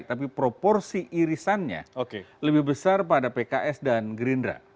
tapi proporsi irisannya lebih besar pada pks dan gerindra